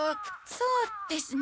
そうですね。